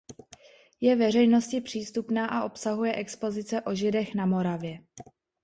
Je veřejnosti přístupná a obsahuje expozice o Židech na Moravě.